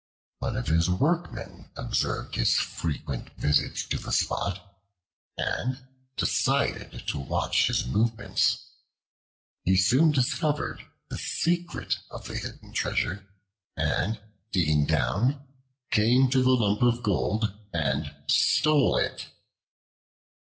One of his workmen observed his frequent visits to the spot and decided to watch his movements. He soon discovered the secret of the hidden treasure, and digging down, came to the lump of gold, and stole it.